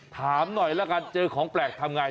ถามหน่อยละกันเจอของแปลกทำไง